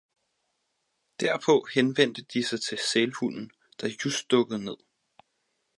Derpå henvendte de sig til sælhunden, der just dukkede ned.